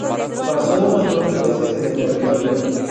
Pasó unos nueve meses en el Territorio.